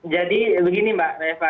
jadi begini mbak reva